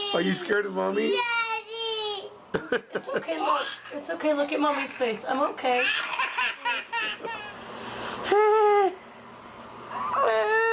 ไม่เป็นไรดูตาแมมมี่แมมมี่จริง